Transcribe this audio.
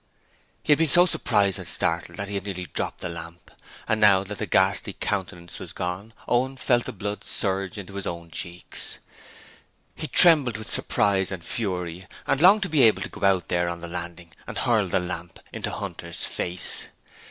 He had been so surprised and startled that he had nearly dropped the lamp, and now that the ghastly countenance was gone, Owen felt the blood surge into his own cheeks. He trembled with suppressed fury and longed to be able to go out there on the landing and hurl the lamp into Hunter's face.